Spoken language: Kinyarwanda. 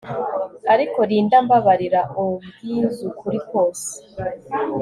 Ariko Linda mbabarira umbwizukurikose